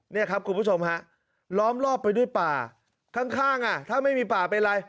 นี่ครับคุณผู้ชมฮะล้อมรอบไปด้วยป่าข้างอ่ะถ้าไม่มีป่าเป็นอะไร